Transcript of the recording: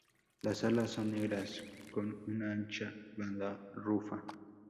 Las alas son negras con una ancha banda rufa.